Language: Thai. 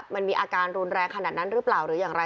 มันมีอาการรุนแรงขนาดนั้นหรือเปล่าหรืออย่างไร